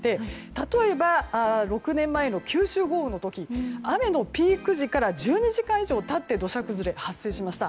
例えば、６年前の九州豪雨の時雨のピーク時から１２時間以上経って土砂崩れが発生しました。